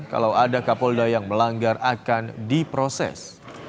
kalau ada kapolda yang melanggar akan diproses